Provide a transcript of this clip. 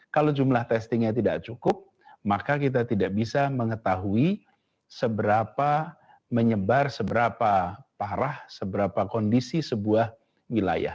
kalau jumlah testingnya tidak cukup maka kita tidak bisa mengetahui seberapa menyebar seberapa parah seberapa kondisi sebuah wilayah